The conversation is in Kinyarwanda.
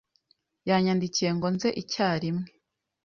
Yanyandikiye ngo nze icyarimwe.